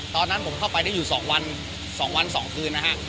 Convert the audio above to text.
ตอนนั้นผมเข้าไปได้อยู่สองวันสองวันสองคืนนะฮะ